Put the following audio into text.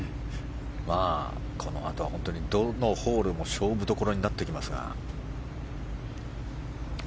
このあとは本当にどのホールも勝負どころになってきますが。